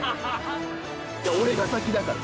俺が先だから！